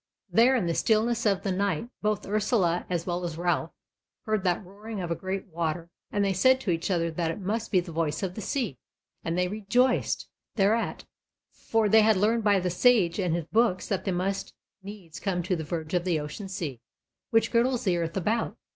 There in the stillness of the night both Ursula, as well as Ralph, heard that roaring of a great water, and they said to each other that it must be the voice of the Sea, and they rejoiced thereat, for they had learned by the Sage and his books that they must needs come to the verge of the Ocean Sea, which girdles the earth about.